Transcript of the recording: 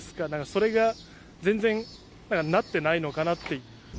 それが全然なってないのかなって。